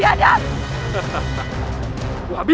kenapa melawan kami